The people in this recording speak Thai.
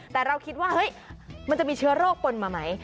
แต่เราคิดว่าเฮ้ยมันจะมีเชื้อโรคปนมาไหม